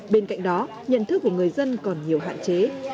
bên cạnh đó nhận thức của người dân còn nhiều hạn chế